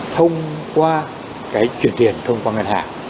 thông qua cái chuyển tiền thông qua ngân hàng